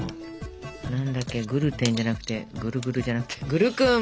何だっけグルテンじゃなくてグルグルじゃなくてグルクン。